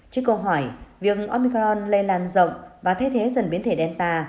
trước câu hỏi việc omicron lây lan rộng và thay thế dần biến thể delta